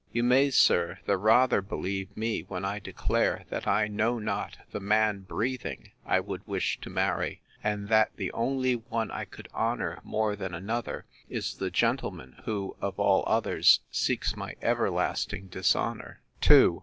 You may, sir, the rather believe me, when I declare, that I know not the man breathing I would wish to marry; and that the only one I could honour more than another, is the gentleman, who, of all others, seeks my everlasting dishonour. 'II.